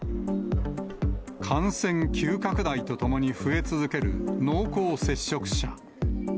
感染急拡大とともに増え続ける濃厚接触者。